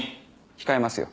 控えますよ。